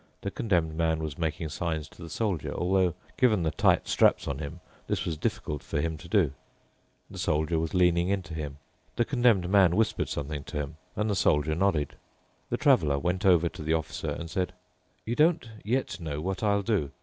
The Condemned Man was making signs to the Soldier, although, given the tight straps on him, this was difficult for him to do. The Soldier was leaning into him. The Condemned Man whispered something to him, and the Soldier nodded. The Traveler went over to the Officer and said, "You don't yet know what I'll do.